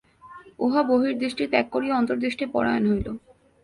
উহা বহির্দৃষ্টি ত্যাগ করিয়া অন্তর্দৃষ্টিপরায়ণ হইল।